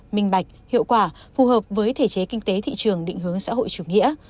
minh bạch hiệu quả phù hợp với thể chế kinh tế thị trường định hướng xã hội chủ nghĩa